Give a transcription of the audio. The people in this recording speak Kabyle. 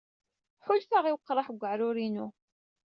Ḥulfaɣ i weqraḥ deg weɛrur-inu.